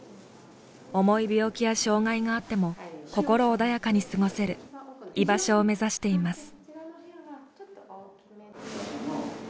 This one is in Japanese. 重い病気や障がいがあっても心穏やかに過ごせる居場所を目指しています。